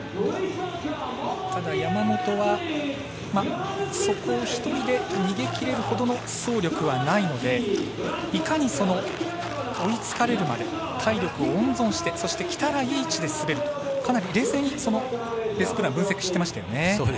ただ、山本はそこを１人で逃げきれるほどの走力はないのでいかに、追いつかれるまで体力を温存して来たら、いい位置で滑るとかなり冷静にレースプランを分析していましたよね。